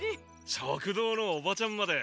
食堂のおばちゃんまで。